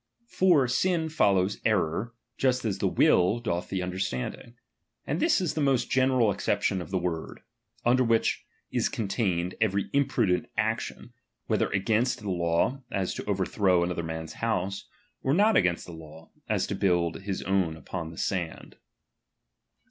For sin follows error, just as the will doth the understanding. And this is the most general acception of the word ; under which is Contained every imprudent action, whether against ^e law, as to overthrow another man's house, or not Against the law, as to build his own upon the sand, 17.